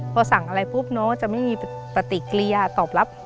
พอสั่งอะไรปุ๊บน้องจะไม่มีปฏิกิริยาตอบรับ